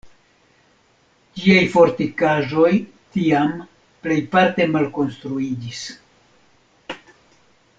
Ĝiaj fortikaĵoj tiam plejparte malkonstruiĝis.